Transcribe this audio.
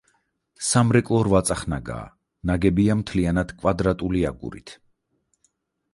სამრეკლო რვაწახნაგაა, ნაგებია მთლიანად კვადრატული აგურით.